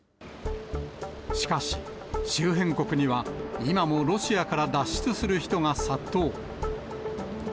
しかし、周辺国には今もロシアから脱出する人が殺到。